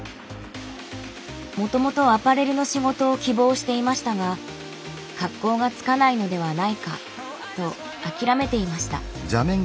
もともとアパレルの仕事を希望していましたが格好がつかないのではないかと諦めていました。